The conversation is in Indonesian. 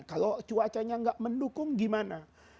kalau cuacanya nggak mendukung gimana